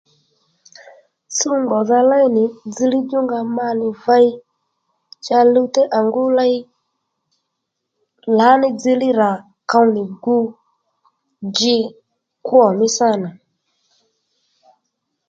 Tsúw ngbòdha léy nì dzilíy djúnga ma nì vey cha luwtey à ngú ley lǎní dziliy rà kow nì gu dji kwô mí sâ nà